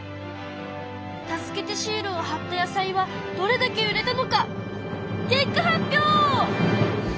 助けてシールをはった野菜はどれだけ売れたのか？